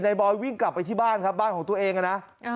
บอยวิ่งกลับไปที่บ้านครับบ้านของตัวเองนะ